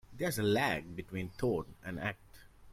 There is a lag between thought and act.